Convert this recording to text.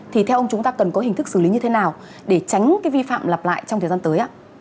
thì theo ông chúng ta cần có hình thức xử lý như thế nào để tránh cái vi phạm lặp lại trong thời gian tới ạ